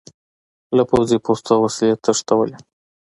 له پوځي پوستو وسلې تښتولې.